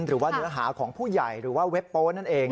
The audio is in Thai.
หรือว่าเนื้อหาของผู้ใหญ่หรือว่าเว็บโป๊นั่นเอง